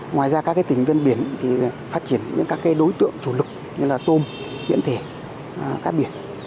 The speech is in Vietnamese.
ngoài ra các tỉnh viên biển phát triển các đối tượng chủ lực như là tôm miễn thể cá biển